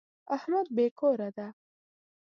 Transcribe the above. احمد بې کوره دی.